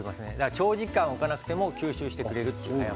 長時間置かなくても吸収してくれます。